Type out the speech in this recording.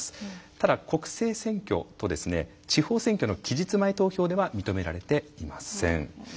ただ国政選挙と地方選挙の期日前投票では認められていません。